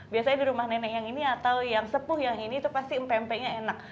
biasanya di rumah nenek yang ini atau yang sepuh yang ini itu pasti mpe empenya enak